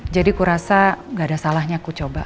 jadi kurasa gak ada salahnya aku coba